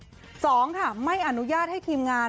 ทรีมงาน๒ค่ะไม่อนุญาตให้ทีมงาน